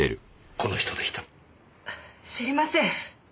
知りません！